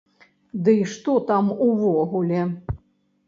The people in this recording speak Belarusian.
Дый што там, увогуле?